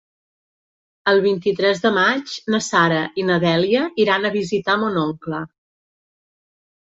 El vint-i-tres de maig na Sara i na Dèlia iran a visitar mon oncle.